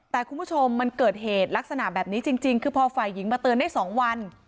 แต่คุณผู้ชมมันเกิดเหตุลักษณะแบบนี้จริงคือพอฝ่ายหญิงมาเตือนได้๒วัน